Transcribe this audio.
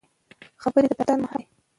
خبرې د داستان محرک دي.